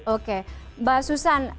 oke mbak susan